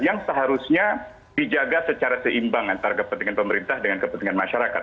yang seharusnya dijaga secara seimbang antara kepentingan pemerintah dengan kepentingan masyarakat